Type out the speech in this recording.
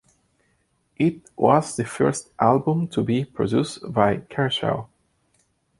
It was the first album to be produced by Kershaw.